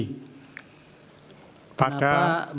kami melaporkan ke bawaslu tentang kejadian ini